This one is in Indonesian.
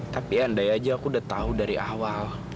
tapi andai aja aku udah tahu dari awal